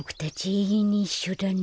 えいえんにいっしょだね。